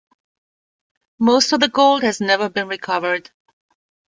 Most of the gold has never been recovered.